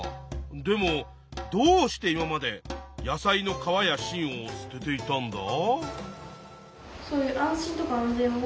でもどうして今まで野菜の皮や芯を捨てていたんだ？